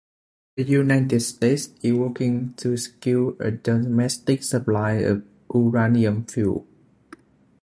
The United States is working to secure a domestic supply of uranium fuel.